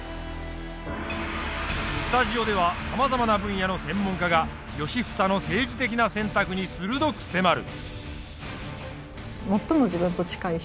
スタジオではさまざまな分野の専門家が良房の政治的な選択に鋭く迫る。